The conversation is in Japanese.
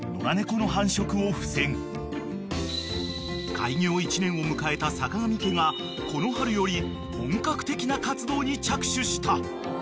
［開業１年を迎えたさかがみ家がこの春より本格的な活動に着手した］